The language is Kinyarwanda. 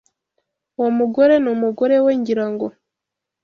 Uwo mugore numugore we, ngira ngo.